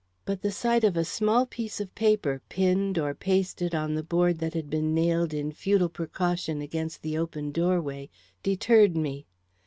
But the sight of a small piece of paper pinned or pasted on the board that had been nailed in futile precaution across the open doorway deterred me.